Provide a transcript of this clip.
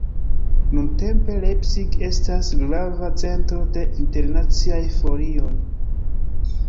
Nuntempe Leipzig estas grava centro de internaciaj foiroj.